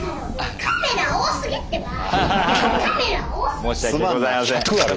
申し訳ございません。